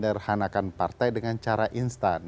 saya menyederhanakan partai dengan cara instan